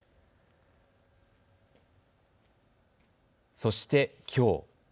そして、きょう。